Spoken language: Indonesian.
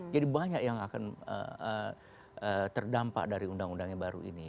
jadi banyak yang akan terdampak dari undang undang yang baru ini